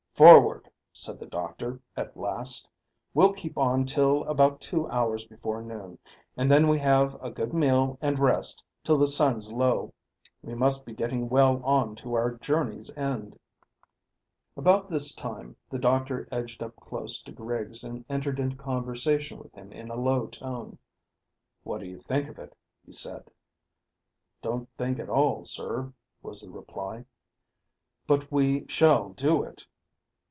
"Forward," said the doctor, at last. "We'll keep on till about two hours before noon, and then have a good meal and rest till the sun's low. We must be getting well on to our journey's end." About this time the doctor edged up close to Griggs and entered into conversation with him in a low tone, "What do you think of it?" he said. "Don't think at all, sir," was the reply. "But we shall do it?"